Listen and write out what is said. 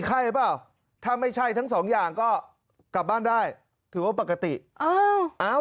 ไข้หรือเปล่าถ้าไม่ใช่ทั้งสองอย่างก็กลับบ้านได้ถือว่าปกติอ้าว